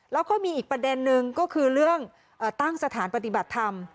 แล้วก็มีอีกประเด็นนึงก็คือเรื่องตั้งสถานปฏิบัติธรรม